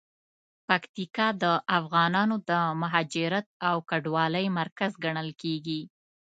پکتیکا د افغانانو د مهاجرت او کډوالۍ مرکز ګڼل کیږي.